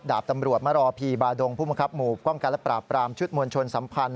ดาบตำรวจมรอพีบาดงผู้บังคับหมู่ป้องกันและปราบปรามชุดมวลชนสัมพันธ